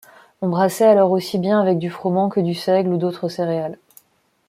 On brassait alors aussi bien avec du froment que du seigle ou d'autres céréales.